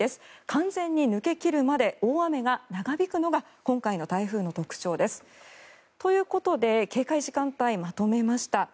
完全に抜け切るまで大雨が長引くのが今回の台風の特徴です。ということで警戒時間帯をまとめました。